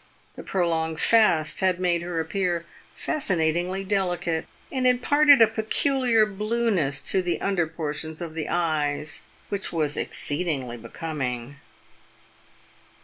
The prolonged fast had made her appear fascinatingly delicate, and imparted a peculiar blueness to the under portions of the eyes, which was exceedingly becoming.